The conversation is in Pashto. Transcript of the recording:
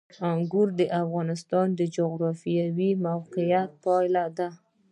انګور د افغانستان د جغرافیایي موقیعت پایله ده.